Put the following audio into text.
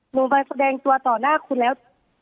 หนูไปแสดงตัวต่อหน้าคุณแล้ว